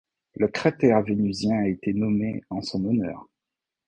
Le cratère vénusien a été nommé en son honneur.